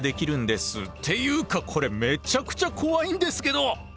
っていうかこれめちゃくちゃ怖いんですけど！